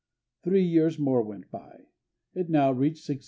Three years more went by: it now reached $627.